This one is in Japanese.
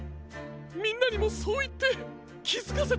みんなにもそういってきづかせてやってください。